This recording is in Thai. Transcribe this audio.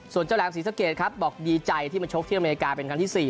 ส่วนเจ้าแหลมศรีสะเกดครับบอกดีใจที่มาชกที่อเมริกาเป็นครั้งที่๔